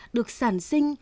được sản sinh